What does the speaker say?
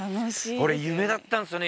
俺夢だったんですよね